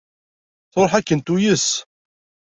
Truḥ akken tuyes.